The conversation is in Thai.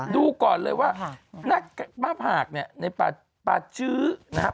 ดูก่อนเลยว่าหน้าผากเนี่ยในป่าชื้อนะครับ